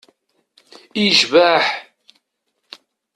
I yecbeḥ!